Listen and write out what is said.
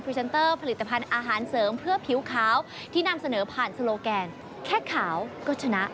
เซนเตอร์ผลิตภัณฑ์อาหารเสริมเพื่อผิวขาวที่นำเสนอผ่านโซโลแกนแค่ขาวก็ชนะ